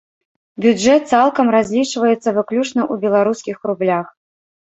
Бюджэт цалкам разлічваецца выключна ў беларускіх рублях.